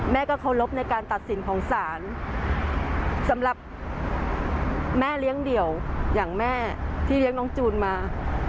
เคารพในการตัดสินของศาลสำหรับแม่เลี้ยงเดี่ยวอย่างแม่ที่เลี้ยงน้องจูนมา